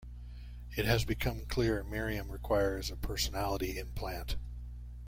It has become clear Miriam requires a personality implant.